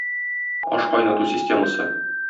Ашкайнату системасы.